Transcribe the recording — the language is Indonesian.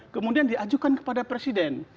kemudian diajukan kepada presiden